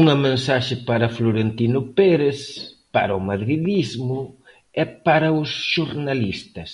Unha mensaxe para Florentino Pérez, para o madridismo e para os xornalistas.